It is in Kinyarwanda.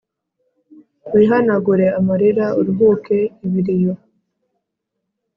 Wihanagure amarira Uruhuke ibiriyo